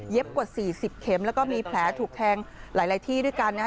กว่า๔๐เข็มแล้วก็มีแผลถูกแทงหลายที่ด้วยกัน